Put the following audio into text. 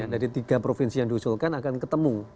dari tiga provinsi yang diusulkan akan ketemu